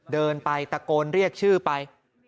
เดินไปตะโกนเรียกชื่อไป